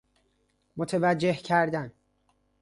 متوجه کردن